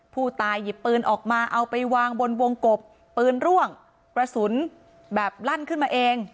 ผู้ตายหยิบปืนออกมาเอาไปวางบนวงกบปืนร่วงกระสุนแบบลั่นขึ้นมาเอง